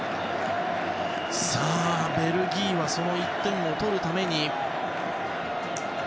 さあ、ベルギーはその１点を取るために。